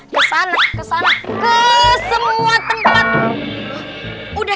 kesana kesana kesana